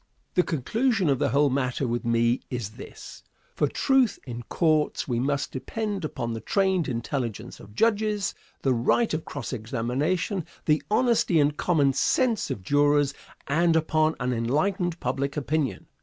The conclusion of the whole matter with me is this: For truth in courts we must depend upon the trained intelligence of judges, the right of cross examination, the honesty and common sense of jurors, and upon an enlightened public opinion.